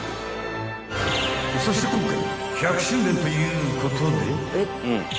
［そして今回］